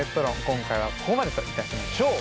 今回はここまでといたしましょう。